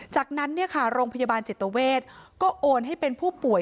จากนั้นโรงพยาบาลจิตเวทก็โอนให้เป็นผู้ป่วย